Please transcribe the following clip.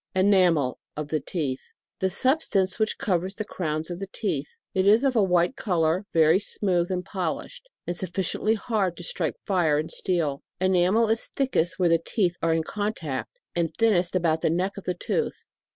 ENAMEL, (of the teeth.) The sub stance which covers the crowns of the teeth. It is of a white colour, very smooth, and polished, and suf ficiently hard to strike fire with steel. Enamel is thickest where the teeth are in contact, and thin nest about the neck of the tooth.